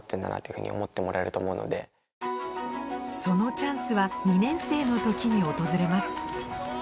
そのチャンスは２年生の時に訪れます